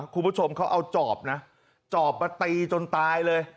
คุณผู้ชมเขาเอาจอบนะจอบมาตีจนตายเลย